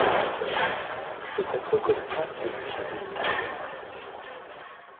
C'est cette reconnaissance qui oblige le destinataire.